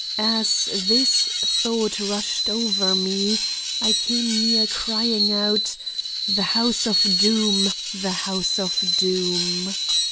As this thought rushed over me, I came near crying out, 'The house of doom! The house of doom!